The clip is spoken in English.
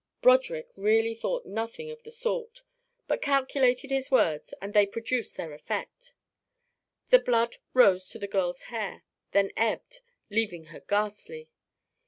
Broderick really thought nothing of the sort, but calculated his words; and they produced their effect. The blood rose to the girl's hair, then ebbed, leaving her ghastly.